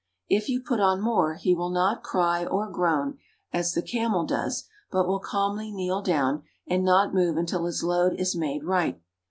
If you put on more he will not cry or groan, as the camel does, but will calmly kneel down and not move until his load is made right.